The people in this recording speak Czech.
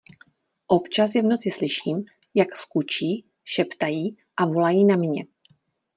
Občas je v noci slyším, jak skučí, šeptají a volají na mě.